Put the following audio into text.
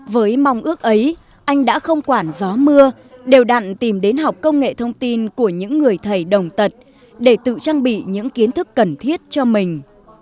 với mong ước ấy anh đã không quản gió mưa đều đặn tìm đến học công nghệ thông tin của những người thầy đồng tật để tự trang bị những kiến thức cần thiết cho mình